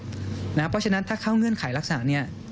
เพราะฉะนั้นถ้าเข้าเงื่อนไขลักษณะนี้